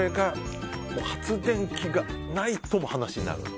発電機がないと話にならない。